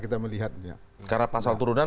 kita melihatnya karena pasal turunan